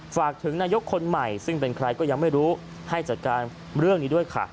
ฝากถึงนายกคนใหม่ซึ่งเป็นใครก็ยังไม่รู้ให้จัดการเรื่องนี้ด้วยค่ะ